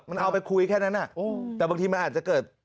มันเอาไปคุยแค่นั้นแต่บางทีมันอาจจะเกิด